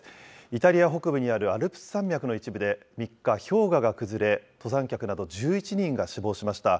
イタリア北部にあるアルプス山脈の一部で、３日、氷河が崩れ、登山客など１１人が死亡しました。